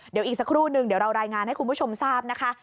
เดี๋ยวอีกสักครู่นึงเดี๋ยวเรารายงานให้คุณผู้ชมทราบนะคะ